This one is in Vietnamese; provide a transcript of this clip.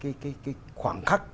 cái khoảng khắc